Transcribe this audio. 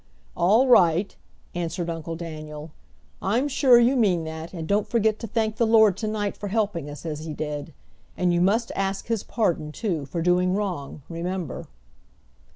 "All right," answered Uncle Daniel, "I'm sure you mean that, and don't forget to thank the Lord to night for helping us as He did. And you must ask His pardon too for doing wrong, remember."